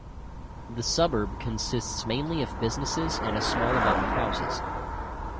The suburb consists mainly of businesses and a small amount of houses.